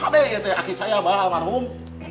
ada ya aki saya abah almarhum